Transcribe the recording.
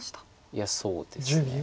いやそうですね。